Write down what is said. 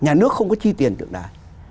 nhà nước không có chi tiền tượng đài